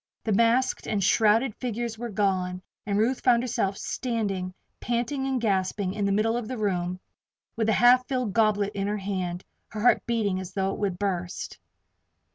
The masked and shrouded figures were gone, and Ruth found herself standing, panting and gasping, in the middle of the room, with the half filled goblet in her hand, her heart beating as though it would burst.